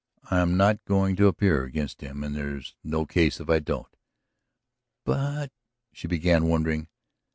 "I am not going to appear against him and there's no case if I don't." "But ..." she began, wondering.